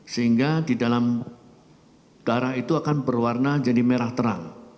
sehingga di dalam darah itu akan berwarna jadi merah terang